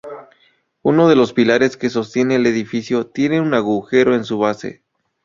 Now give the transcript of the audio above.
Uno de los pilares que sostiene el edificio tiene un agujero en su base.